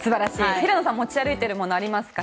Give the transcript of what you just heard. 平野さん持ち歩いてるものありますか？